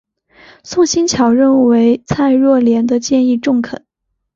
宋欣桥认为蔡若莲的建议中肯。